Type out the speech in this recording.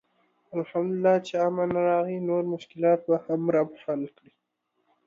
الحمدالله چې امن راغی، نور مشکلات به هم رب حل کړي.